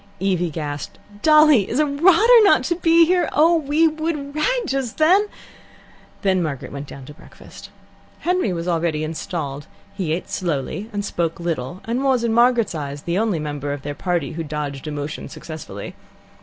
Evie gasped: "Dolly is a rotter not to be here! Oh, we would rag just then!" Then Margaret went down to breakfast. Henry was already installed; he ate slowly and spoke little, and was, in Margaret's eyes, the only member of their party who dodged emotion successfully.